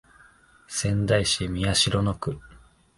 仙台市宮城野区